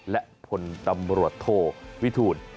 และพลตำรวจโทวิทูล